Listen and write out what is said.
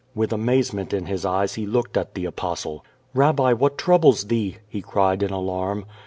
With amazement in his eyes he looked at the Apostle. "Kabbi, what troubles thee!" he cried in alarm.